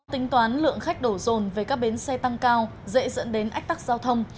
tính toán lượng khách đổ rồn về các bến xe tăng cao dễ dẫn đến ách tắc giao thông